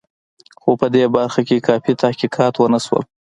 خو په دې برخه کې کافي تحقیقات ونه شول.